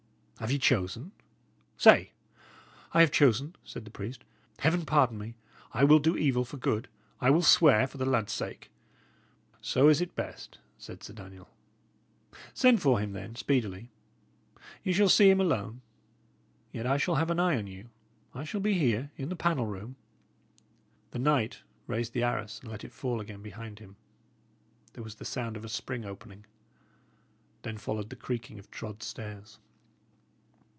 Have ye chosen? Say!" "I have chosen," said the priest. "Heaven pardon me, I will do evil for good. I will swear for the lad's sake." "So is it best!" said Sir Daniel. "Send for him, then, speedily. Ye shall see him alone. Yet I shall have an eye on you. I shall be here in the panel room." The knight raised the arras and let it fall again behind him. There was the sound of a spring opening; then followed the creaking of trod stairs.